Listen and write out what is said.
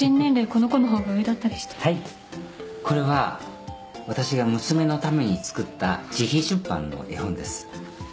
これは私が娘のために作った自費出版の絵本です。